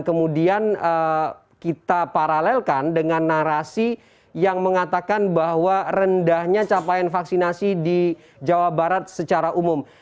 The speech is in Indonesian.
kemudian kita paralelkan dengan narasi yang mengatakan bahwa rendahnya capaian vaksinasi di jawa barat secara umum